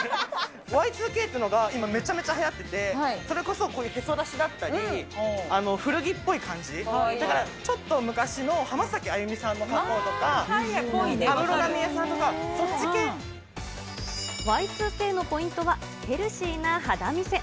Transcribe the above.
Ｙ２Ｋっていうのが今めちゃくちゃはやってて、それこそこういうへそ出しだったり、古着っぽい感じ、だからちょっと昔の浜崎あゆみさんの格好とか、Ｙ２Ｋのポイントは、ヘルシーな肌見せ。